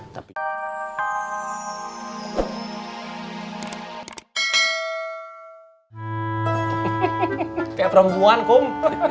kayak perempuan kum